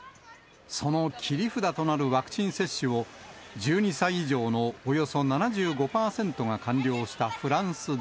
その切り札となるワクチン接種を、１２歳以上のおよそ７５％が完了